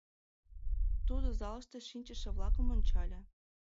Тудо залыште шинчыше-влакым ончале.